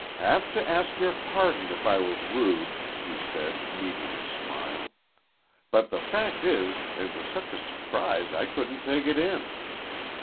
"Have to ask your pardon if I was rude," he said, meeting her smile. "But the fact is it was such a surprise I couldn't take it in."